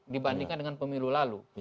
dibandingkan dengan pemilu lalu